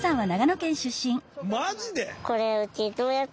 マジで！？